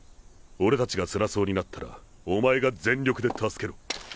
俺たちがつらそうになったらお前が全力で助けろ。